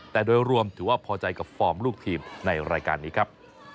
แต่โดยรวมถือว่าพอใจกับฟอร์มลูกทีมในรายการนี้ครับ